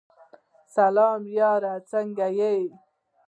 سلام یاره سنګه یی ؟